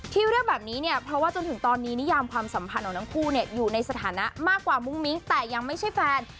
เรื่องแบบนี้เนี่ยเพราะว่าจนถึงตอนนี้นิยามความสัมพันธ์ของทั้งคู่เนี่ยอยู่ในสถานะมากกว่ามุ้งมิ้งแต่ยังไม่ใช่แฟน